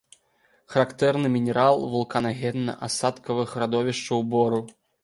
Характэрны мінерал вулканагенна-асадкавых радовішчаў бору.